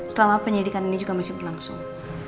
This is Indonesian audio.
selama penyidikan ini juga masih berlangsung